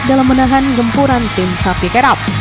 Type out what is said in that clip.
dalam menahan gempuran tim sapi terap